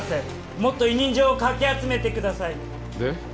もっと委任状をかき集めてくださいで？